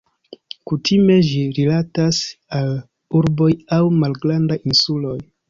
Kutime ĝi rilatas al urboj aŭ malgrandaj insuloj.